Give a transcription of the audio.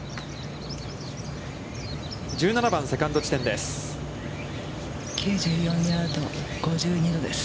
１７番、セカンド地点です。